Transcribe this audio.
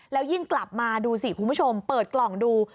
แล้วยิ่งกลับมาดูสิคุณผู้ชมเปิดกล่องดู